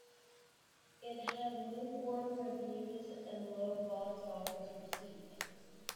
It had lukewarm reviews and low box-office receipts.